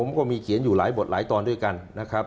ผมก็มีเขียนอยู่หลายบทหลายตอนด้วยกันนะครับ